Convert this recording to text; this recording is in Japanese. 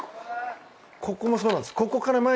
ここもそうなんです。